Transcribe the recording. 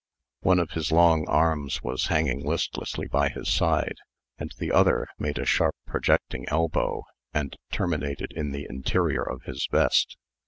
One of his long arms was hanging listlessly by his side, and the other made a sharp projecting elbow, and terminated in the interior of his vest.